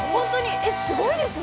えっ、すごいですね。